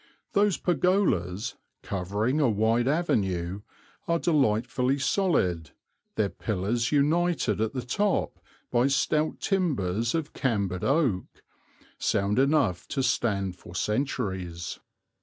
Those pergolas, covering a wide avenue, are delightfully solid, their pillars united at the top by stout timbers of cambered oak, sound enough to stand for centuries.